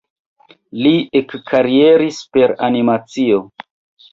Li ekkarieris per animacio.